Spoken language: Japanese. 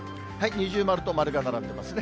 二重丸と丸が並んでますね。